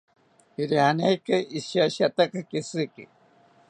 Irianeriki ishiashiata keshiki